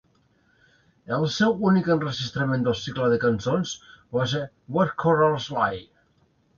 El seu únic enregistrament del cicle de cançons va ser "Where Corals Lie".